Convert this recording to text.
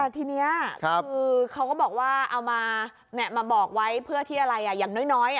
ทีนี้คือเขาก็บอกว่าเอามาบอกไว้เพื่อที่อะไรอย่างน้อย